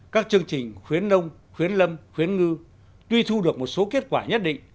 các chương trình khuyến nông khuyến lâm khuyến ngư tuy thu được một số kết quả nhất định